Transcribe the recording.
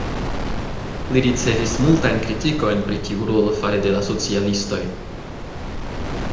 Li ricevis multajn kritikojn pri tiu rolo fare de la socialistoj.